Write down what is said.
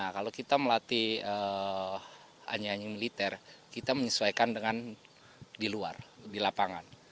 kalau kita melatih anyanyi militer kita menyesuaikan dengan di luar di lapangan